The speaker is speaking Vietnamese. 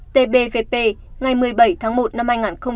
ba mươi tbvp ngày một mươi bảy tháng một năm hai nghìn hai mươi bốn